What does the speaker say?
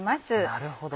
なるほど。